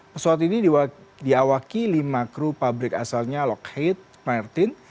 pesawat ini diawaki lima kru pabrik asalnya lockheat martin